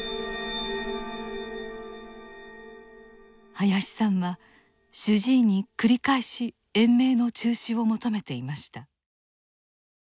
林さんは主治医に繰り返し延命の中止を求めていました。